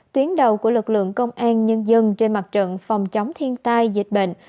tuyến đầu của lực lượng công an nhân dân trên mặt trận phòng chống thiên tai dịch bệnh